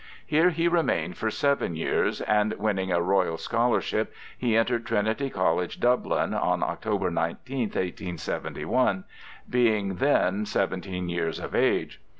Here he remained for seven years, and, winning a Royal scholarship, he entered Trinity College, Dublin, on October 19th, 1871, being then seventeen years of age.